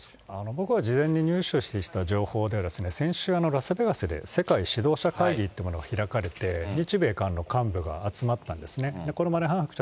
僕は事前に入手した情報では、先週、ラスベガスで世界指導者会議というものが開かれて、にちべいかんの幹部が集まったんですね。